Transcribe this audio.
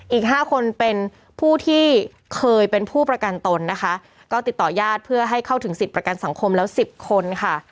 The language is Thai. อีกห้าคนเป็นผู้ที่เคยเป็นผู้ประกันตนนะคะก็ติดต่อยาดเพื่อให้เข้าถึงสิทธิ์ประกันสังคมแล้วสิบคนค่ะ